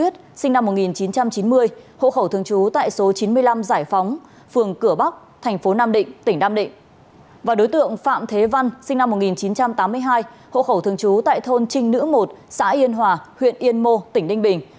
tổng thống trinh nữ một xã yên hòa huyện yên mô tỉnh đinh bình